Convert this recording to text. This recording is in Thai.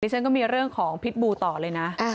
ฉันก็มีเรื่องของพิษบูต่อเลยนะ